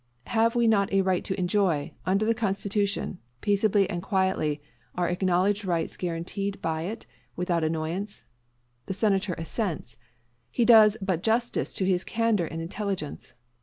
Have we not a right to enjoy, under the Constitution, peaceably and quietly, our acknowledged rights guaranteed by it, without annoyance? The Senator assents. He does but justice to his candor and intelligence.